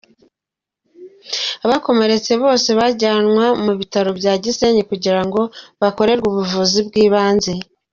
Abakomeretse bose bajyanwa ku Bitaro bya Gisenyi kugira ngo bakorerwe ubuvuzi bw’ibanze.